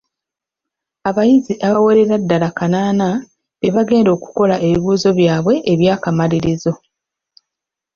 Abayizi abawerera ddala kanaana bebagenda okukola ebibuuzo byabwe ebyakamalirizo.